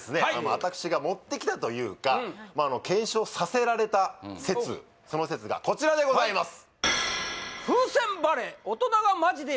私が持ってきたというか検証させられた説その説がこちらでございます